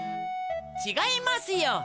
ちがいますよ。